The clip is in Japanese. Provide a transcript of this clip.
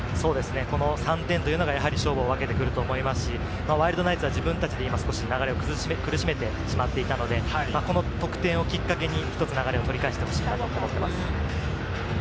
この３点が勝負を分けてくると思いますし、ワイルドナイツは自分たちで今、少し苦しめてしまっていたので、この得点をきっかけに１つ流れを取り返してほしいと思います。